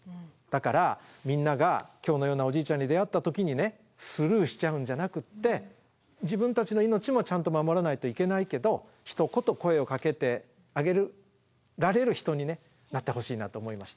だからみんなが今日のようなおじいちゃんに出会った時にスルーしちゃうんじゃなくって自分たちの命もちゃんと守らないといけないけどひと言声をかけてあげられる人になってほしいなと思いました。